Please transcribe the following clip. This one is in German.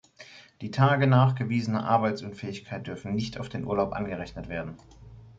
Die Tage nachgewiesener Arbeitsunfähigkeit dürfen nicht auf den Urlaub angerechnet werden.